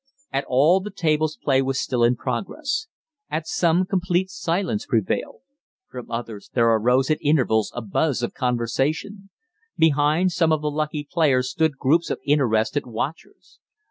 At all the tables play was still in progress. At some complete silence prevailed. From others there arose at intervals a buzz of conversation. Behind some of the lucky players stood groups of interested watchers.